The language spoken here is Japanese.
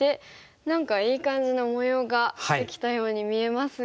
何かいい感じの模様ができたように見えますが。